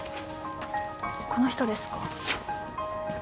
この人ですか？